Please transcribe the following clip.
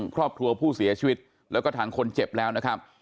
ครอบครัวผู้เสียชีวิตแล้วก็ทางคนเจ็บแล้วนะครับ